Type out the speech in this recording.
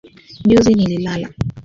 Juzi nililala